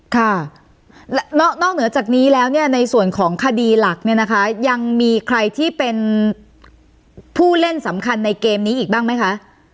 ค่ะนอกเหนือจากนี้แล้วเนี่ยในส่วนของคดีหลักเนี่ยนะคะยังมีใครที่เป็นผู้เล่นสำคัญในเกมนี้อีกบ้างไหมคะ